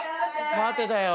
待ってたよ。